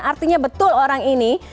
artinya betul orang ini